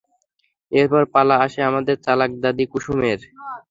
এরপর পালা আসে আমাদের চালাক দাদী, কুসুমের।